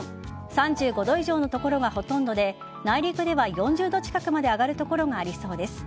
３５度以上の所がほとんどで内陸では４０度近くまで上がる所がありそうです。